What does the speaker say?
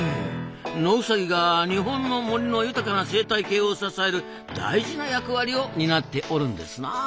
ノウサギが日本の森の豊かな生態系を支える大事な役割を担っておるんですな。